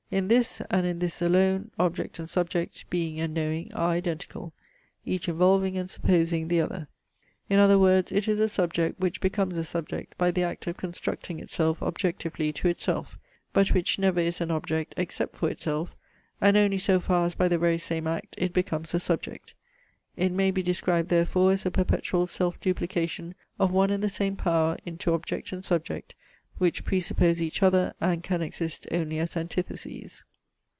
In this, and in this alone, object and subject, being and knowing, are identical, each involving and supposing the other. In other words, it is a subject which becomes a subject by the act of constructing itself objectively to itself; but which never is an object except for itself, and only so far as by the very same act it becomes a subject. It may be described therefore as a perpetual self duplication of one and the same power into object and subject, which presuppose each other, and can exist only as antitheses.